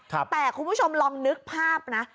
แต่คุณผู้ชมลองนึกภาพนะ